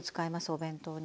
お弁当に。